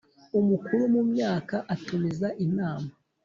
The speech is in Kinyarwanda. Umukuru mu myaka atumiza inama .